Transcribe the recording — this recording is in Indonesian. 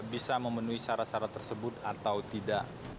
bisa memenuhi syarat syarat tersebut atau tidak